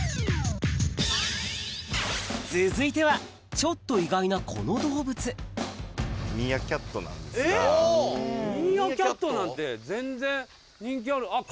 続いてはちょっと意外なこの動物ミーアキャットなんて全然人気ある。